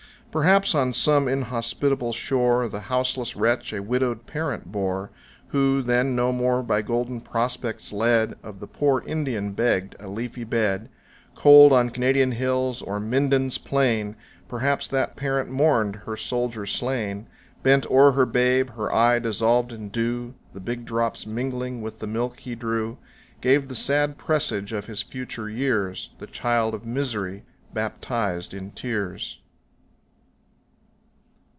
Perhaps on some inhospitable shore The houseless wretch a widowed parent bore, Who, then no more by golden prospects led, Of the poor Indian begged a leafy bed; Cold on Canadian hills, or Minden's plain, Perhaps that parent mourned her soldier slain, Bent o'er her babe, her eye dissolved in dew, The big drops mingling with the milk he drew, Gave the sad presage of his future years, The child of misery, baptized in tears!